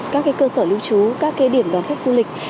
các cái cơ sở lưu trú các cái điểm đón khách du lịch